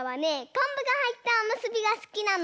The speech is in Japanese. こんぶがはいったおむすびがすきなの。